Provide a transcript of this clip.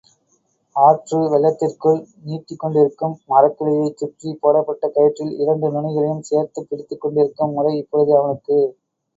ஆற்றுவெள்ளத்திற்குள் நீட்டிக்கொண்டிருக்கும் மரக்கிளையைச் சுற்றிப் போடப்பட்ட கயிற்றில் இரண்டு நுனிகளையும் சேர்த்துப் பிடித்துக்கொண்டிருக்கும் முறை இப்பொழுது அவனுக்கு.